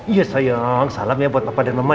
iya sayang salam ya buat papa dan mama ya